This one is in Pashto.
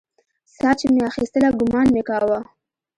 ساه چې مې اخيستله ګومان مې کاوه.